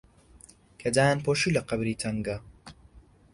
کە دایانپۆشی لە قەبری تەنگا